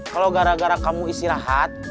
kalau gara gara kamu istirahat